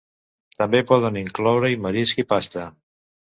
També poden incloure-hi marisc i pasta.